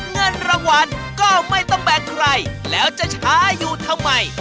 เงินรางวัลก็ไม่ต้องแบกใครแล้วจะช้าอยู่ทำไม